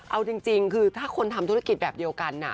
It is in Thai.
เอาจริงคือถ้าคนทำธุรกิจแบบเดียวกัน